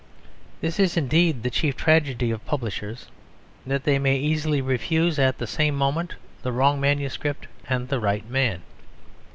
This is indeed the chief tragedy of publishers: that they may easily refuse at the same moment the wrong manuscript and the right man.